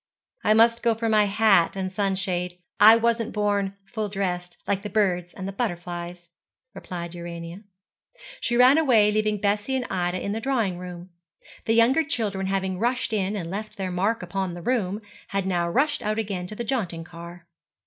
'I must go for my hat and sunshade. I wasn't born full dressed, like the birds and butterflies,' replied Urania. She ran away, leaving Bessie and Ida in the drawing room. The younger children having rushed in and left their mark upon the room, had now rushed out again to the jaunting car.